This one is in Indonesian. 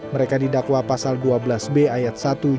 mereka didakwa pasal dua belas b ayat satu jutaan